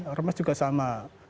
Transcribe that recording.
ormas juga sama